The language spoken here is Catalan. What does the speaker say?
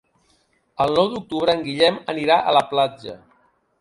El nou d'octubre en Guillem anirà a la platja.